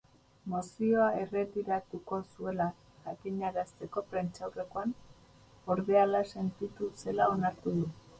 Mozioa erretiratuko zuela jakinarazteko prentsaurrekoan, ordea, hala sentitu zela onartu du.